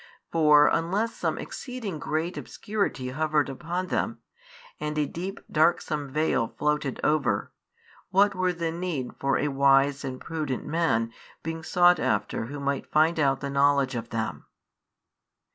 For unless some exceeding great obscurity hovered upon them, and a deep darksome veil floated over, what were the need for a wise and prudent man being sought after who might find out the knowledge of them?